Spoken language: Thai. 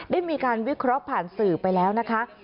ได้มีการวิเคราะห์ผ่านสื่อไปแล้วนะคะ